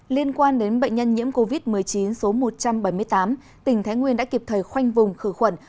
liên quan đến bệnh nhân nhiễm covid một mươi chín số một trăm bảy mươi tám tỉnh thái nguyên đã kịp thời khoanh vùng khử khuẩn